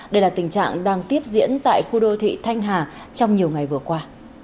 đây là tình trạng đang tiếp diễn tại khu đô thị thanh hà trong nhiều ngày vừa qua